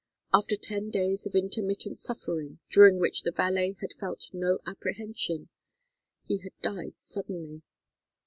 After ten days of intermittent suffering, during which the valet had felt no apprehension, he had died suddenly.